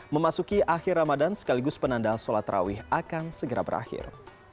memasuki akhir ramadan sekaligus penanda sholat rawih akan segera berakhir